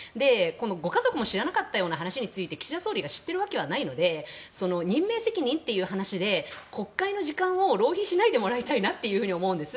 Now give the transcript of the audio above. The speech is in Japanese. ご家族も知らなかったような話について岸田総理が知っているわけがないので任命責任という話で国会の時間を浪費しないでもらいたいなと思うんです。